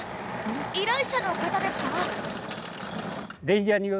依頼者の方ですか？